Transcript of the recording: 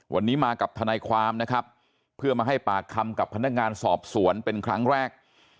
วันนี้มากับทนายความนะครับเพื่อมาให้ปากคำกับพนักงานสอบสวนเป็นครั้งแรก